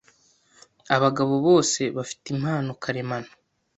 Abagabo bose bafite impano karemano,